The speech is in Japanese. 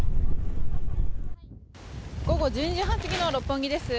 午後１２時半過ぎの六本木です。